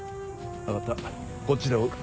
分かったこっちで追う。